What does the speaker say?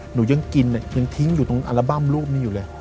หนูยังกินยังทิ้งอยู่ตรงอัลบั้มรูปนี้อยู่เลย